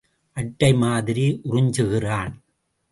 அட்டை மாதிரி உறிஞ்சுகிறான்.